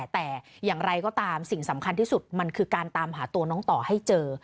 แต่อย่างไรก็ตามสิ่งสำคัญที่สุดมันคือการตามหาตัวน้องต่อให้เจอ